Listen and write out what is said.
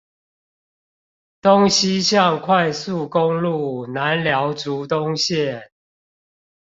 東西向快速公路南寮竹東線